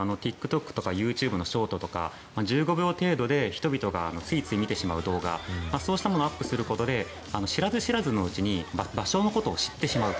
ＴｉｋＴｏｋとかＹｏｕＴｕｂｅのショートとか１５秒程度で人々がついつい見てしまう動画そうしたものをアップすることで知らず知らずのうちに場所のことを知ってしまう。